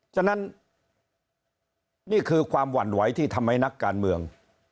ฉะนั้นนี่คือความหวั่นไหวที่ทำให้นักการเมือง